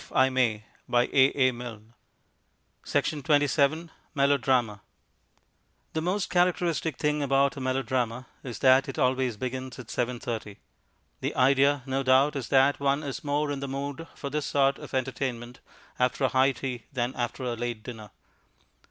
I must wait until those days come back again. Melodrama The most characteristic thing about a melodrama is that it always begins at 7.30. The idea, no doubt, is that one is more in the mood for this sort of entertainment after a high tea than after a late dinner.